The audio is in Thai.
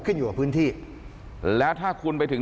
ขึ้นอยู่กับพื้นที่